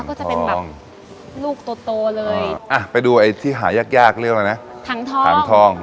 ก็จะเป็นแบบถังทองลูกโตเลยอ่ะไปดูไอ้ที่หายากเรียกอะไรนะถังทองถังทอง